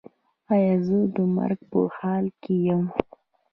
ایا زه د مرګ په حال کې یم؟